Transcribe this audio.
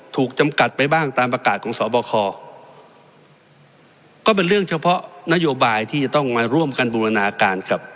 ถูกจำกัดไปบ้างตามประกาศของสบคก็เป็นเรื่องเฉพาะนโยบายที่จะต้องมาร่วมกันบูรณาการกับ